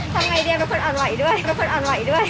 ทำไงเดี๋ยวเป็นคนอ่อนไหวด้วย